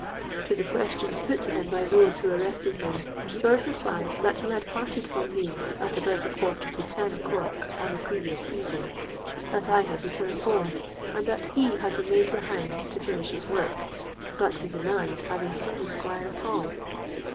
To the questions put to him by those who arrested him, George replied that he had parted from me at about a quarter to ten o'clock on the previous evening—that I had returned home—and that he had remained behind to finish his work;—but he denied having seen the Squire at all.